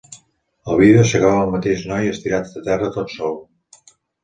El vídeo s'acaba amb el mateix noi estirat a terra tot sol.